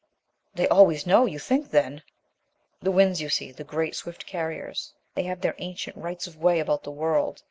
"They always know! You think then ?" "The winds, you see the great, swift carriers! They have their ancient rights of way about the world.